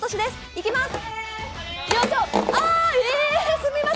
いきます！